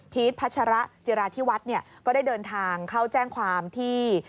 พัชระจิราธิวัฒน์เนี่ยก็ได้เดินทางเข้าแจ้งความที่